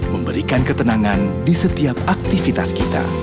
memberikan ketenangan di setiap aktivitas kita